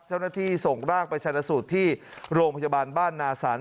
เจ้าหน้าที่ส่งร่างไปชนะสูตรที่โรงพยาบาลบ้านนาศาล